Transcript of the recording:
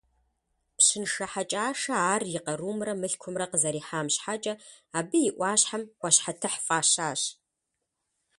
Пщыншэ Хьэкӏашэ ар и къарумрэ мылъкумрэ къызэрихьам щхьэкӏэ абы и ӏуащхьэм «ӏуащхьэтыхь» фӏащащ.